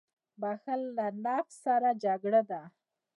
• بښل له نفس سره جګړه ده.